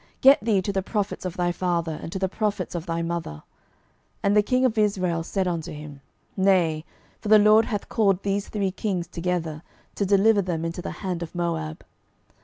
get thee to the prophets of thy father, and to the prophets of thy mother. And the king of Israel said unto him, Nay: for the LORD hath called these three kings together, to deliver them into the hand of Moab.